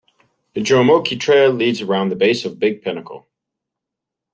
The Jomeokee Trail leads around the base of Big Pinnacle.